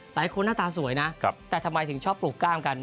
หน้าตาสวยนะแต่ทำไมถึงชอบปลูกกล้ามกัน